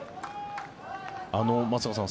松坂さん